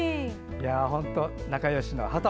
本当、仲よしのはと。